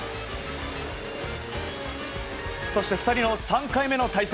そして２人の３回目の対戦。